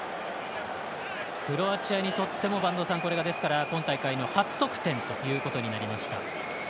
クロアチアにとってもこれが今大会の初得点ということになりました。